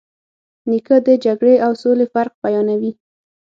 نیکه د جګړې او سولې فرق بیانوي.